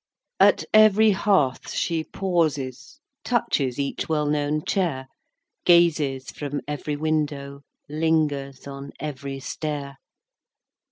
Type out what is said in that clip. III. At every hearth she pauses, Touches each well known chair; Gazes from every window, Lingers on every stair.